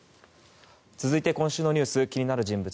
続いて、今週のニュース気になる人物